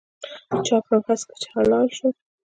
چا کړم هسکه چې هلال شوم